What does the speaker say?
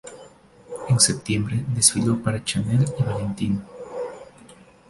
En septiembre, desfiló para Chanel y Valentino.